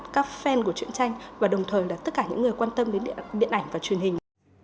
các fan của chuyện tranh và đồng thời là tất cả những người quan tâm đến điện ảnh và truyền hình